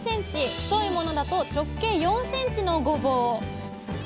太いものだと直径４ｃｍのごぼう。